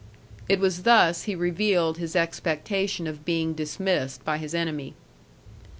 It was thus he revealed his expectation of being dismissed by his enemy.